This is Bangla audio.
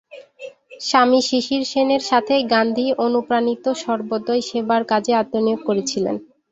স্বামী শিশির সেনের সাথেই গান্ধী অনুপ্রাণিত সর্বোদয় সেবার কাজে আত্মনিয়োগ করেছিলেন।